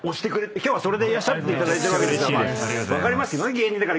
今日はそれでいらっしゃっていただいてるわけですから。